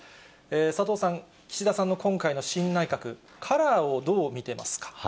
佐藤さん、岸田さんの今回の新内閣、カラーをどう見てますか。